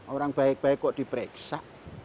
orang baik baik kok diperiksa